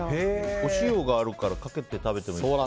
お塩があるからかけて食べても？